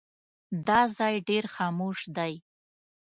دا ځای ډېر خاموش دی.